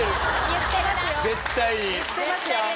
言ってますよ